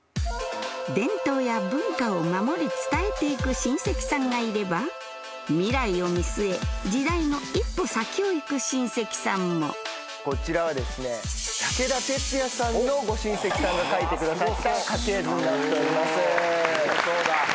伝統や文化を守り伝えて行く親戚さんがいれば未来を見据え時代の一歩先を行く親戚さんもこちらは武田鉄矢さんのご親戚さんが描いてくださった家系図になっております。